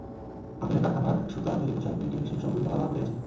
আগুনে কারখানার সুতা, তৈরি পোশাক, প্রিন্টিং মেশিনসহ বিভিন্ন মালামাল পুড়ে গেছে।